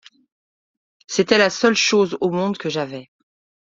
C’était la seule chose au monde que j’avais!